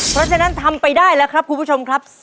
เพราะฉะนั้นทำไปได้แล้วครับคุณผู้ชมครับ